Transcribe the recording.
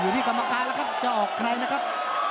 ที่กรรมการแล้วครับจะออกใครนะครับ